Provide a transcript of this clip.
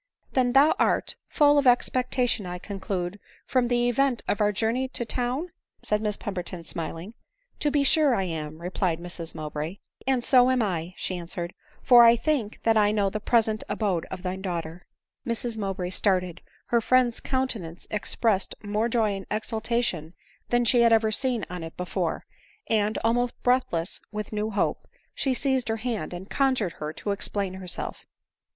" Then thou art full of expectation, I conclude, from the event of our journey to town ?" said Miss Pemberton smiling. " To be sure I am," replied Mrs Mowbray. " And so am I," she answered —" for I think that I know the present abode of thy daughter." Mrs Mowbray started — her friend's countenance ex pressed more joy and exultation than she had ever seen on it before ; and, almost breathless with new hope, she seized her hand and conjured her to explain herself.